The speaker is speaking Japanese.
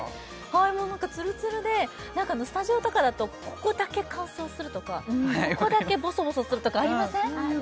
はいもう何かツルツルで何かスタジオとかだとここだけ乾燥するとかここだけボソボソするとかありません？